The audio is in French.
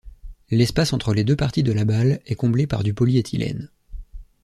L'espace entre les deux parties de la balle est comblé par du polyéthylène.